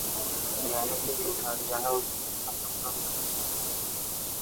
জ্ঞানই সেই কুঠার, যাহা ঐ দুইটির সংযোগদণ্ড ছিন্ন করিয়া দেয়।